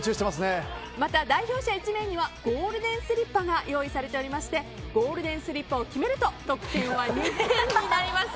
また、代表者１名にはゴールデンスリッパが用意されておりましてゴールデンスリッパを決めると得点は２点になります。